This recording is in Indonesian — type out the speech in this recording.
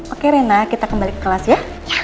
oke rena kita kembali ke kelas ya